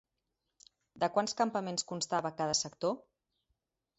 De quants campaments constava cada sector?